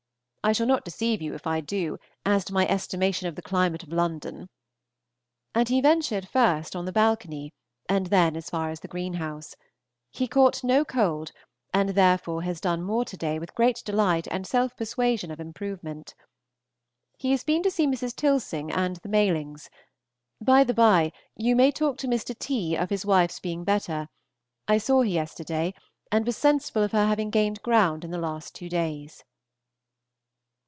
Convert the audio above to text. I shall not deceive you, if I do, as to my estimation of the climate of London), and he ventured first on the balcony and then as far as the greenhouse. He caught no cold, and therefore has done more to day, with great delight and self persuasion of improvement. He has been to see Mrs. Tilson and the Malings. By the by, you may talk to Mr. T. of his wife's being better; I saw her yesterday, and was sensible of her having gained ground in the last two days.